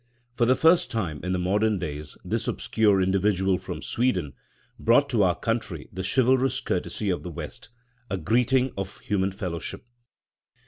For the first time in the modern days this obscure individual from Sweden brought to our country the chivalrous courtesy of the West, a greeting of human fellowship.